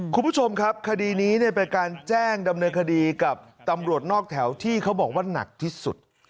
คุณผู้ชมครับคดีนี้เป็นการแจ้งดำเนินคดีกับตำรวจนอกแถวที่เขาบอกว่าหนักที่สุด